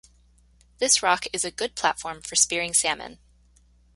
This rock is a good platform for spearing salmon.